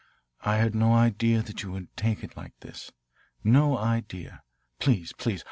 I had no idea you would take it like this, no idea. Please, please.